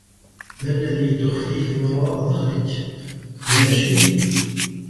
”ما الذي تخفيه وراء ظهرك؟“ ”لا شيء.“